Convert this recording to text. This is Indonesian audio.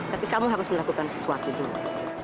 tapi kamu harus melakukan sesuatu dulu